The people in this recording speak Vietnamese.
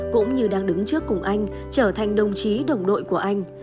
cũng như đang đứng trước cùng anh trở thành đồng chí đồng đội của anh